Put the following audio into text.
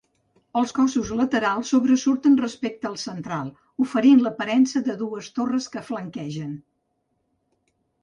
Els cossos laterals sobresurten respecte al central, oferint l'aparença de dues torres que el flanquegen.